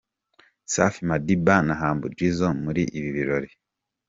Safi Madiba na Humble Jizzo muri ibi birori.